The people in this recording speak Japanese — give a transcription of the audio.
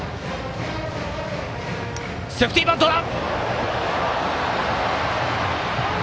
セーフティーバントだ！